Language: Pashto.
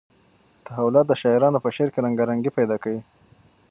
تحولات د شاعرانو په شعر کې رنګارنګي پیدا کوي.